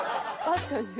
確かに。